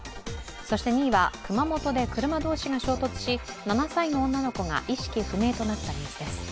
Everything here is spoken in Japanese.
そして２位は、熊本で車同士が衝突し、７歳の女の子が意識不明となったニュースです。